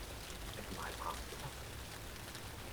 食埋棚骨